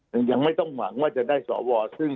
ก็ยังไม่ต้องหวังว่าจะได้สว